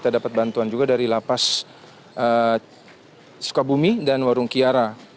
kita dapat bantuan juga dari lapas sukabumi dan warung kiara